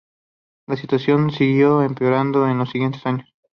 La situación siguió empeorando en los siguientes años.